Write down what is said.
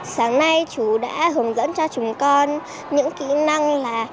sáng nay chú đã hướng dẫn cho chúng con những kỹ năng là